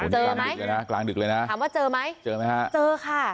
เจอไหมเดี๋ยวนะกลางดึกเลยนะถามว่าเจอไหมเจอไหมฮะเจอค่ะ